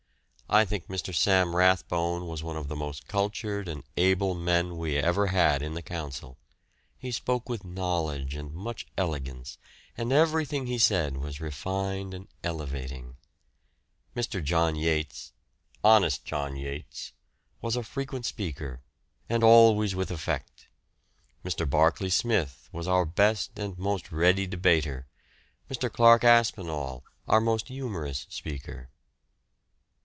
I think Mr. Sam Rathbone was one of the most cultured and able men we ever had in the Council. He spoke with knowledge and much elegance, and everything he said was refined and elevating. Mr. John Yates "honest John Yates" was a frequent speaker, and always with effect. Mr. Barkeley Smith was our best and most ready debater, Mr. Clarke Aspinall our most humorous speaker.